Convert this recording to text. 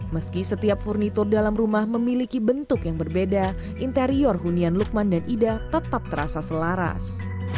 meski setiap furnitur dalam rumah memiliki bentuk yang berbeda interior hunian lukman dan ida tetap terasa selaras